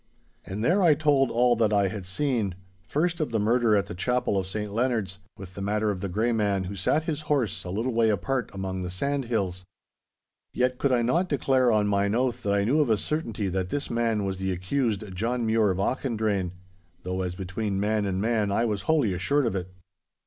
And there I told all that I had seen—first of the murder at the Chapel of St Leonards, with the matter of the Grey Man who sat his horse a little way apart among the sandhills. Yet could I not declare on mine oath that I knew of a certainty that this man was the accused John Mure of Auchendrayne. Though as between man and man I was wholly assured of it.